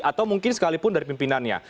atau mungkin sekalipun dari pimpinannya